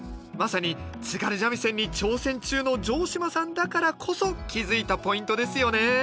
まさに津軽三味線に挑戦中の城島さんだからこそ気付いたポイントですよね